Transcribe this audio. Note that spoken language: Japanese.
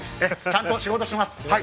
ちゃんと仕事します。